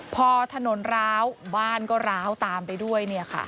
พอถนนร้าวบ้านก็ร้าวตามไปด้วย